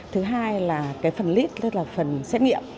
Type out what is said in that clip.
thứ hai là cái phần lit tức là phần xét nghiệm